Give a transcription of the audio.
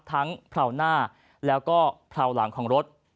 ทั้งพราวหน้าแล้วก็พราวหลังของรถ